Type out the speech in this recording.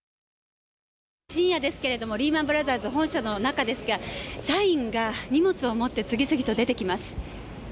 深夜ですけれども、リーマン・ブラザーズ本社の中ですが、社員が荷物を持って、次々と出てきます。